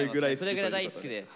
それぐらい大好きです。